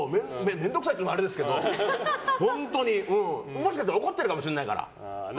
面倒くさいというのはあれですけど、もしかしたら怒ってるかもしれないから。